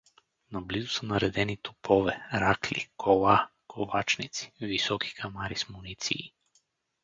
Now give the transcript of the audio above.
Наблизо са наредени топове, ракли, кола, ковачници, високикамари с муниции.